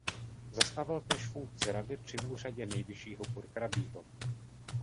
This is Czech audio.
Zastával též funkci rady při úřadě Nejvyššího purkrabího.